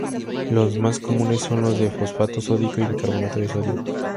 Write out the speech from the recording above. Los más comunes son los de fosfato sódico y bicarbonato de sodio.